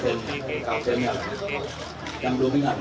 kalau untuk senjata apinya tidak patuh dari mana pak